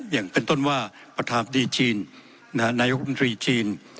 อย่างเป็นต้นว่าประธานดีจีนนายกรมตรีจีน